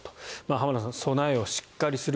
浜田さん、備えをしっかりする。